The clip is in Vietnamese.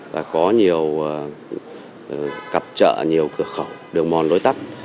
và có nhiều cặp trợ nhiều cửa khẩu đường mòn lối tắt